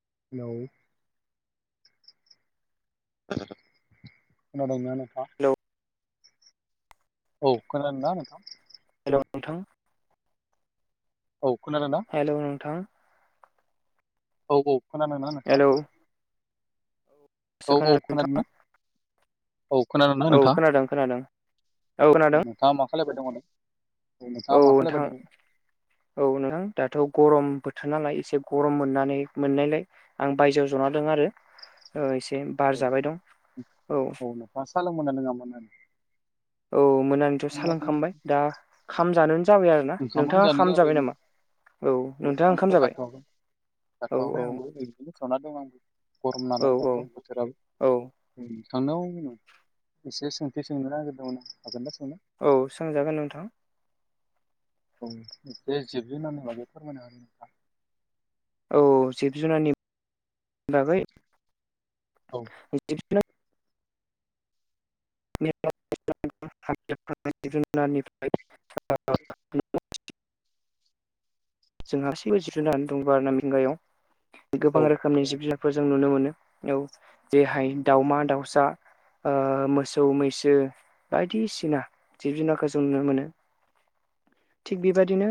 [inaudible] खोनादोंना नोथां हेलौ औ खोनादों ना नोथां? हेलौ नोंथां औ खोनादों ना हेल' नोंथां औ औ खोनादों ना नोथां दासो खोनादों खोनादोंना नोंथां औ खोनादोंना औ खोनादों खोनादों औ नोंथाङा खोनादों नोंथाङा मा खालायबाय दंङमोन औ नोंथां औ नोंथां दाथ' गरम बोथोर नालाय एसे गरम मोननानै मोननायलाय आं बायजोआव जना दों आरो बार औ जाबाय दं औ नोंथाङा सा लोंगोना लोङामोन औ मोनानिथ' नोंथांना सालोंखामबाय दा खाम जानो जाबाय आरो ना ओंखामानो नोंथाङा जानो ओंखाम जाबाय नामा औ नोंथाङा ओंखाम जाबाय? औ जाथ'वाखायआंबो ओरैनो जना दोङो गरम औ नालाय औ दाथ' औ बोथोराबो। थांनाव एसे सोंथि सोंनो नागिरदोंमोन हागोन दा औ सांजागोन नोंथां। एसे जोबज होननानै बागै फोरमायनो हागोन नोंथां। औ जिब जुनारनि बागै औ फ्राय [inaudible] [inaudible] जोंहा गासैबो जिब जुनार दं ब आरो ना मिंगायाव औ गोबां रोखोमनि जिब जुनारफोर जों नुनो मोनो औ जेरहाय दाउमा दाउसा ओ मोसौ मैसो बायदिसिना जिब जुनारखौ जों नुनो मोनो थिग बेबायदिनो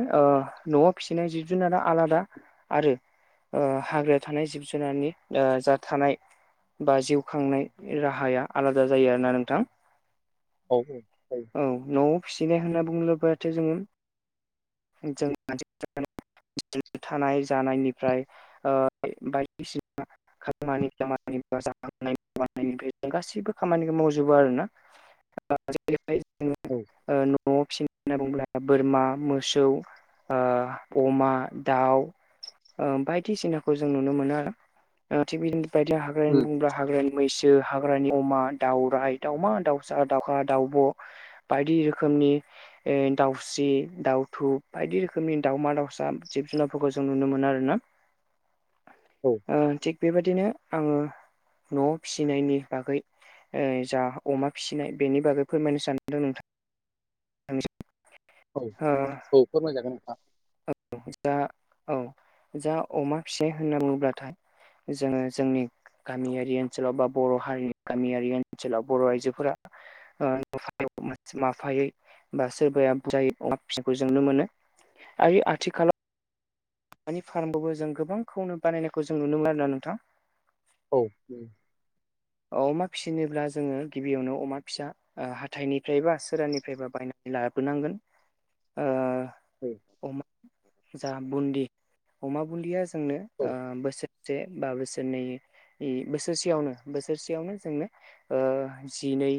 न'आव फिसिनाय जिब जुनारा आलादा आरो हाग्रायाव थानाय जिब जुनारनि जा थानाय बा जिउ खांनाय राहाया आलादा जायो आरोना नोंथां। औ औ औ फिसिनाय होनना बुंङोब्लाथाय जोङो जों थानाय जानायनिफ्राय ओ बायदिसिना खामानि दामानिनायनिफ्राय जों गासैबो खामानिखौ मावजोबो आरोना [inaudible] फ्राय औ जोङो न'आव फिसिनो होनना बुङोब्ला बोरमा मोसौ ओ अमा दाउ बायदिसिनाखौ जों नुनो मोनो आरो थिग बिदिनो बायदि हाग्रानो बुंङोब्ला हाग्रायानि मैसो हाग्रानि अमा दाउराइ दाउमा दाउसा दाउखा दाउब' बायदि रोखोमनि ए दाउस्रि दाउथु बायदि रोखोम खोमनि दावमा दावसा जिब जुनारफोरखौ जों नुनो मोनो आरोना औ ओ थिग बेबायदिनो आङो न'वाव फिसिनायनि बागै उ जा अमा फिसिनाय बेनि बागै फोरमायनो सानदों नोंथां [unintelligible] औ औ फोरमायजागोन नोंथां औ जा औ जा अमा फिसि होनना बुङोलाथाय जोङो जोंनि गामियारि ओनसोलाव बा बर' हारि गामियारि ओनसोलाव बर' आइजोफोरा ओ मास माफायै बा सोरबाया बोरजायै अमा फिसिनायखौ जों ननो मोनो आइ आथिखालाव दानि फारामबो जों गोबांखौनो बानायनायखौ जों नुनो मोनो आरोना नोंथां औ उम अमा फिसिनोब्ला जोङो गिबियावनो अमा फिसा ओ हाथाइनिफ्राय बा सोरानिफ्रायबा बायनानै लाबो नांगोन ओ औ अमा जा बुन्दि अमा बुन्दिया जोंनो औ ओ बोसोर से बा बोसोरनै-नै बोसोरसेयावनो बोसोरसेयावनो जोंनो ओ जिनै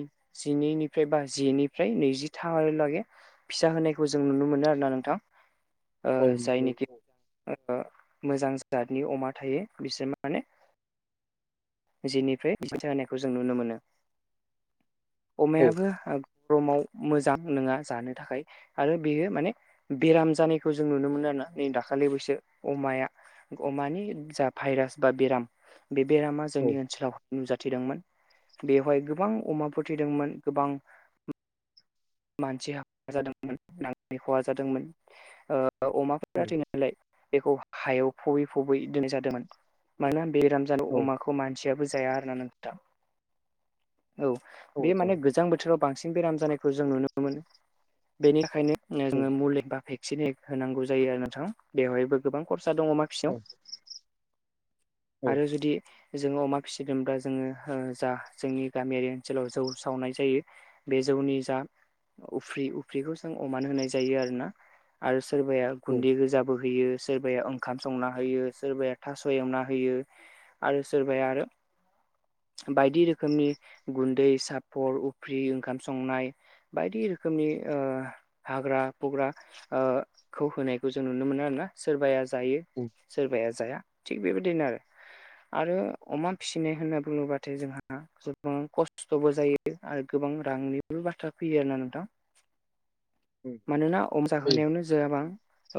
जिनैनिफ्राय बा जिनिफ्राय नैजिथा लागै फिसा होनायखौ जों नुनो मोनो आरो ना नोंथां। [inaudible] ओ नंगौ। जायनिखि ओ मोजां जातनि अमा थायो बिसोर माने जिनिफ्राय [unintelligible] होनायखौ जों नुनो मोनो औ अमायाबो ओ गरमाव मोजां नङा जानो थाखाय आरो बेयो माने बेराम जानायखौ जों नुनो मोनो ना नै दाखालि बैसो अमाया आमानि जा भाइरास बा बेराम बे बेरामा औ जोंनि ओनसोलाव नुजाथिदोंमोन बेवहाय गोबां अमाफोर थैदोंमोन गोबां मानसि हा जादोंमोन नांनि खहा जादोंमोन ओ ओ औ अमाफोरा थैनाय नालाय बेखौ हायाव फबै फबै दोनजादोंमोन मानो होन बेराम जादो अमाखौ मानसियाबो जाया आरोना नोंथां। औ औ बे आदसा माने गोजां बोथोराव बांसिन बेराम जानायखौ जों नुनो मोनो औ बेनिखायनो मुलि बा भेक्सिन होनांगौ जायो आरो नोंथां बेवहायबो गोबां खर सा दङ अमाफिसेयाव औ औ आरो जुदि जोङो अमा फिसिदोंब्ला जोङो ओ जा जोंनि गामियारि ओनसोलाव जौ सावनाय जायो बे जा जौनि जा उफ्रि उफ्रिखौ जों अमान होनाय जायो आरो ना आरो सोरबाया औ होयो गुन्दै होजाबो होयो सोरबाया ओंखाम संना होयो सोरबाया थास' एवना होयो आरो सोरबाया आरो बायदि रोखोमनि गुन्दै सापर उफ्रि ओंखाम संनाय बायदि रोखोमनि ओ हाग्रा फुग्रा ओ खौ होनायखौ जों नुनो मोनो आरोना सोरबाया जायो सोरबाया जाया थिग बेबायदिनो आरो आरो अमा फिसिनाय होनना बुङोब्लाथाय जोंहा गोबां खस्थ'बो जायो आरो गो बां रांनिबो बाथ्रा फैयो आरो ना नोंथां औ मानोना अम जाहोनायावनो जोवाबां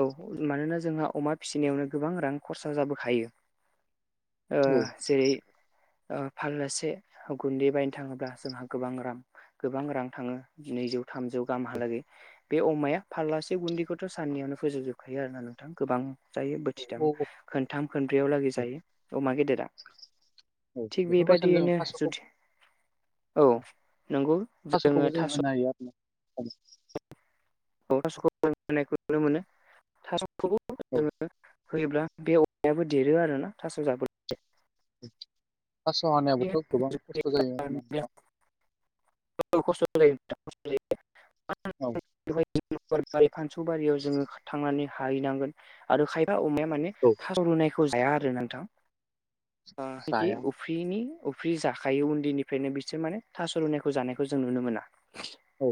औ मानोना जोंहा अमा फिसिनायावनो गोबां रां खरसा जाबोखायो ओ जेरै ओ फाललासे गुन्दै बायनो थाङोब्ला जोंहा गोबां रां गोबां रां थाङो नैजौ थामजौ गामहालागै बे अमाया फारलासे गुन्दैखौथ' साननियावनो फोजोबजोबखायो आरोना नों थां गोबां जायो बोथिथाम औ औ औ खोनथाम खोनब्रैयाव लागै जायो अमा गेदेरा औ थिग बेफोरबायसानो जों बेबायदियैनो थास'खौ जुदि औ नंगौ जोङो थास'खौबो जों थास' [inaudible] [unintelligible] होयोब्ला औ बे अमायाबो देरो आरो ना थास' जाबोला थास' हानायाबोथ' गोबां खस्थ' जायो आरो ना औ खस्थ' जायो नोंथां [inaudible] औ फानसौ बारियाव जोङो थांनानै हाहैनांगोन आरो खाय अमाया माने औ औ थास' रुनायखौ जाया आरो नोंथां। ओ इदि जाया उफ्रिनि उफि फ्रि जाखायो उन्दैनिफ्रायनो बिसोर माने थास' रुनायखौ जानायखौ जों नुनो मोना। औ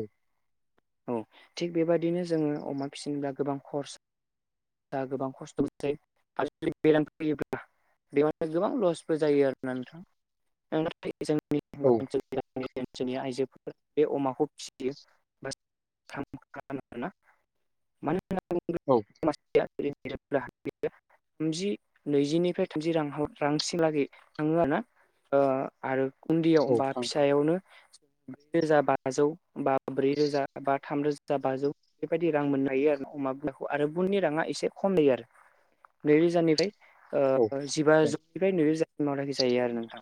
औ थिग बेबदिनो जोङो अमा फिसिनोब्ला गोबां खरस दा गोबां खस्थ' [inaudible] गोबां लसबो जायो आरोना। औ जोंनि ओनसोलनि आइजोफोरा बे अमाखौ फिसियो [unintelligible] औ थामजि नैजिनिफ्राय थामजि रां रांसिन लागै थाङो ना ओ आरो उन्दैयाव औ बा थां फिसायावनो ब्रै रोजा बाजौ बा ब्रै रोजा बा थाम रोजा बाजौ बेबायदि रां मोननो हायो आरो अमा बिमाखौ आरो बुनदिनि राङा एसे खम जायो आरो। नै रोजा निफ्राय ओ औ जायो जिबाजौनिफ्राय नैरोजासिमनाखि जायो आरो नोंथां।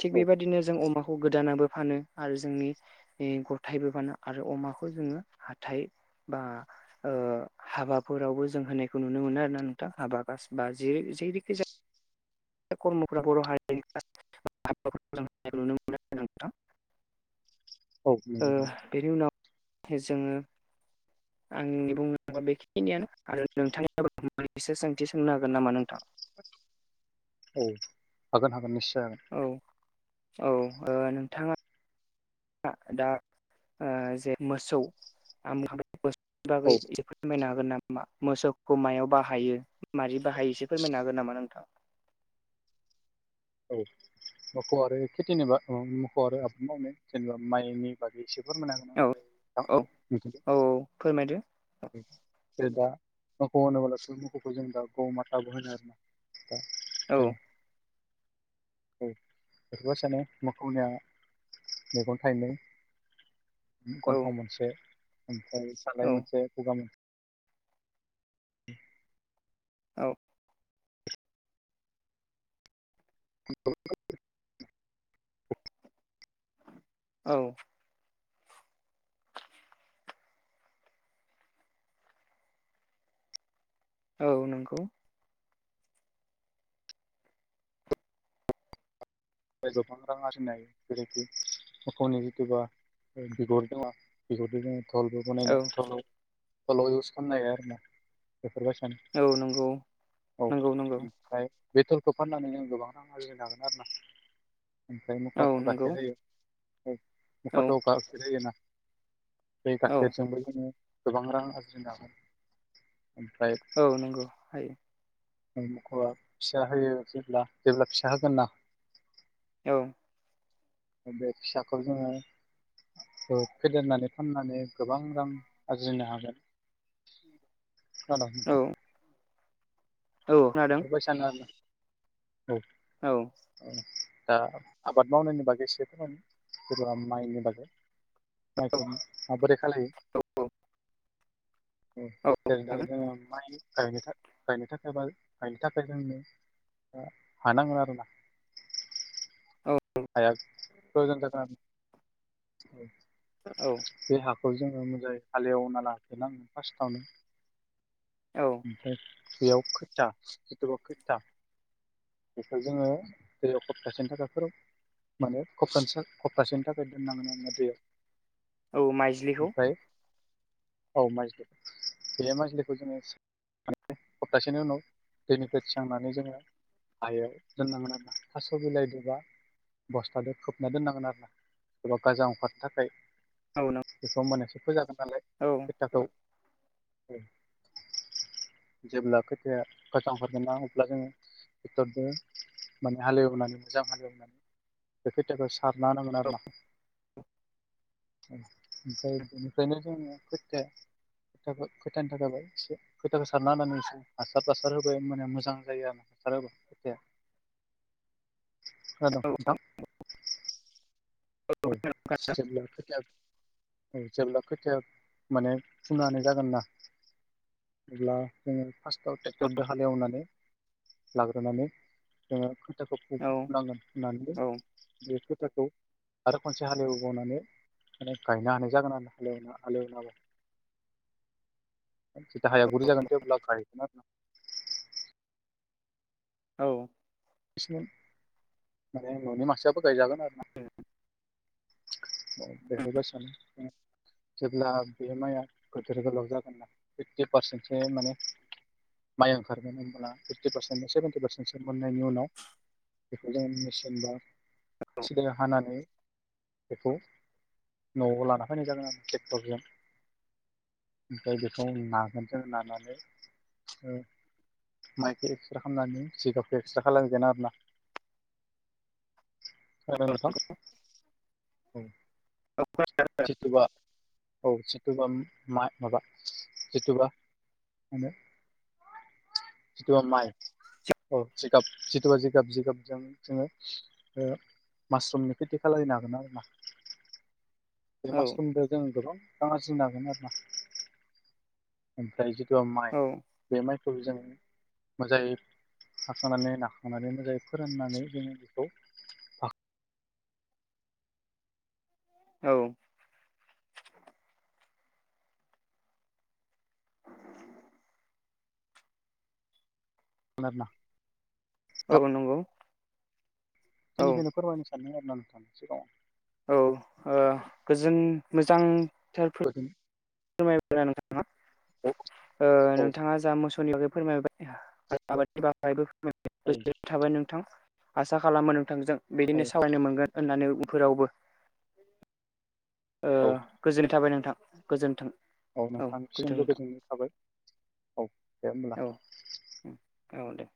थिग औ बेबायदिनो जों अमाखौ गोदानाबो फानो आरो जोंनि ओ गथायैबो फानो आरो अमाखौ जोङो हाथाय बा ओ हाबाफोरावबो जों होनायखौ नुनो मोनो आरो ना नोंथां हाबा गास बा [inaudible] [unintelligible] खर्मफ्रा बर' हारि [inaudible] औ ओ नंगौ बेनि उनाव जोङो आंनि बुंनांगौवा बेखिनियानो आरो नोंथांनियाव मोननैसो सोंथि सोंनो हागोन नामा नोंथाङा? औ हागोन हागोन निस्यय हागोन। औ औ ओ नोंथाङा दा ओ जे मोसौ [inaudible] [unintelligible] औ हागोन नामा मोसौखौ मायाव बाहायो मारै बाहायो एसे फोरमायनो हागोन नामा नोंथाङा? [unintelligible] औ मोसौ आरो खेथिनिबा मोसौ आरो आबाद मावनो जेनेबा माइनि बागै एसे औ औ [unintelligible] औ फोरमायदो जेरै दा मोखौ होनोब्लासो मोसौखौ जों दा गमाथाबो होनो आरोना। औ [unintelligible] बेखौबो सानो मोखौनिया मेगन थाइनै औ गन्थं मोनसे ओमफ्राय औ सालाय मोनसे खुगा मोनसे [unintelligible] औ [unintelligible] औ औ नोंगौ। फ्राय गोबां रां आरजिनो हायो जेरैखि मोखौनि जिथबा [unintelligible] धलबो बनायनाय [inaudible] औ खालामनो हायो आरो ना [inaudible] सानो औ नंगौ औ नंगौ नंगौ ओमफ्राय बे धलखौ फाननानैनो जों गोबां रां आरजिनो हागोन आरोना औ नंगौ ओमफ्राय औ [unintelligible] बे औ गाखेरजोंबो जोङो गोबां रां आरजिनो ओमफ्राय औ नंगौ हायो। फिसा होयो जेब्ला जेब्ला फिसा होगोन ना औ बे फिसाखौ जोङो औ फेदेरनानै फाननानै गोबां रां आरजिनो हागोन। खोनादों औ नोंथां? औ खोनादों बेफोरखौ सानो आरो ना। औ। औ दा आबाद मावनायनि बागै एसे फोरमायना हो जेनेबा माइनि बागै। औ माइखौ माबोरै खालायो। औ औ जेरै दा हागोन जोङो माइ गायनो था गायनो था [unintelligible] गायनो थाखाय जोंनो हा नांगोन आरोना। [unintelligible] बे औ हा खौ जोङो मोजाङै हालेवना लाग्रो नांगोन फार्स्टावनो औ ओमफ्राय बेयाव खोथा जितुबा खोथा बेखौ जोङो दैयाव सप्तासेनि थाखाय फोरौ माने खप्तानैसो खप्तासेनि थाखाय दोननांगोन आरो ना दैयाव। औ माइज्लिखौ। ओमफ्राय औ माइज्लि। बे माइज्लिखौ जोङो माने हप्तासेनि उनाव दैनिफ्राय थिखांनानै जोङो हायाव दोननांगोन आरोना। थास' बिलाइदो‌बा बस्थादो खोबना दोननांगोन आरोना एबा गाजा अंखारनो थाखाय औ नों बेखौ होमनासो फोजागोन नालाय औ खोथाखौ। जेब्ला खोथियाया गाजा अंखारगोनना अब्ला जोङो टेक्टरजों माने हालेवनानै मोजां हालेवनानै बे खोथियाखौ सारना होनांगोन औ आरोना। ओम ओमफ्राय बेनिफ्रायनो जोङो खोथिया खोथियाखो खोथियानि थाखाय एसे खोथियाखौ सारना होनानै एसे हासार तासार होबाय होमबानिया मोजां जायो आरोना। हासार होबा खोथियाया। खोनादों औ नोंथां? औ जेब्ला खोथिया औ जेब्ला खोथिया माने फुनो हानाय जागोनना, बिदिब्ला जोङो फार्स्टआव टेक्टरजों हालेवनानै लाग्रोनानै जोङो खोथियाखौ औ फुग्रो फुनांगोन, फुनानैबो औ बे खोथियाखौ आरो खनसे हालेवबावनानै माने गायनो हानाय जागोन आरो ना आलेवना हालेवना होबा। जितिया हाया गुरै जागोन थेवब्ला गायगोन आ औ। माने न'नि मानसियाबो गायजागोन आरो ना। ओ बेफोर बायसानो। जेब्ला बे माइआ गोदोर गोलाव जागोननाा फिफटि पारसेन्टसो माने माइ ओंखारगोन होनबोला फिफ्टि पारसेन्ट, सेभेन्टि पारसेन्टसो मोननायनि उनाव बेखौ जों मेचिन बा सिदायै हानानै बेखौ न'आवबो लाना फैनाय जागोन आरो ट्रेक्टरजों। ओमफ्राय बेखौ नागोन जों नानानै ओ माइखौ एक्सट्रा खामनानै जिगाबखौ एक्सट्रा खालामगोन आरो‌ना। खोनादों नोंथां? औ जितुबा औ जितुबा माइ माबा जिथुबा मा होनो? जितुबा माइ औ जित जि गाब जिथुबा जिगाब जिगाबजों जोङो ओ मासरुमनि खेथि खालायनो हागोन आरोना। बे औ मासरुमदो जों गोबां रां आरजिनो हागोन आरोना। ओमफ्राइ जि माइ बे माइखौ जों मोजायै हाखांनानै नाखांनानै मोजाङै फोराननानै जोङो बेखौ फा औ। [unintelligible] औ नंगौ। औ बेनिखायनो फोरमायनो सानदों आरोना नोंथांनि सिगाङाव। औ ओ गोजोन मोजां थार फोर अ ओ नोंथाङा जा मोसौनि बागै फोरमायबाय आबादनि बागायबो गोजोन थाबाय नोंथां आसा खालामो नोंथांजों औ बिदिनो सावरायनो मोनगोन होननानै उ फोरावबो ओ औ गोजोननाय थाबाय नोंथां गोजोन्थों औ नोंथांसिमबो गोजोननाय थाबाय औ दे होमब्ला। नोंथां औ दे।